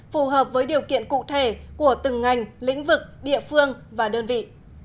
phù hợp với điều kiện cụ thể của từng ngành lĩnh vực địa phương và đơn vị